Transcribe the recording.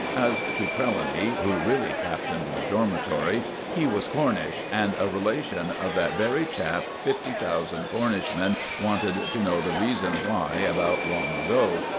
As to Trelawny, who really captained the dormitory, he was Cornish, and a relation of that very chap fifty thousand Cornish men wanted to know the reason why about long ago.